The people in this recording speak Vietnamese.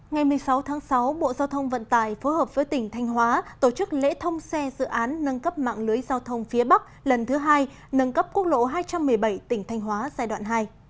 ngày một mươi sáu tháng sáu bộ giao thông vận tải phối hợp với tỉnh thanh hóa tổ chức lễ thông xe dự án nâng cấp mạng lưới giao thông phía bắc lần thứ hai nâng cấp quốc lộ hai trăm một mươi bảy tỉnh thanh hóa giai đoạn hai